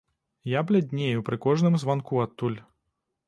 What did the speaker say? Я бляднею пры кожным званку адтуль.